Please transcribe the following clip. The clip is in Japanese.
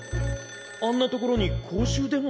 あんな所に公衆電話？